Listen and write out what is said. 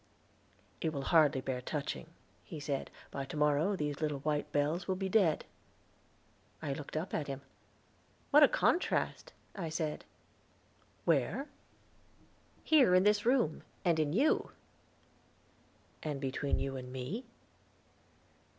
"It will hardly bear touching," he said. "By to morrow these little white bells will be dead." I looked up at him. "What a contrast!" I said. "Where?" "Here, in this room, and in you." "And between you and me?"